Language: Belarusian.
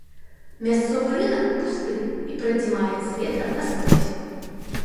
Мясцовы рынак пусты і прадзімаецца ветрам наскрозь.